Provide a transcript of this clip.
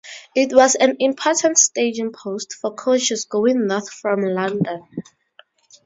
It was an important staging post for coaches going north from London.